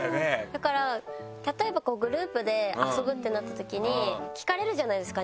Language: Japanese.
だから例えばグループで遊ぶってなったときに聞かれるじゃないですか